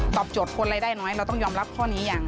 โจทย์คนรายได้น้อยเราต้องยอมรับข้อนี้อย่าง